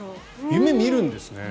夢見るんですね。